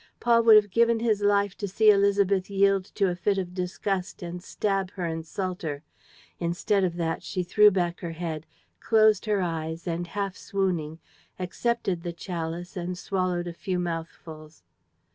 Paul would have given his life to see Élisabeth yield to a fit of disgust and stab her insulter. Instead of that, she threw back her head, closed her eyes and half swooning, accepted the chalice and swallowed a few mouthfuls.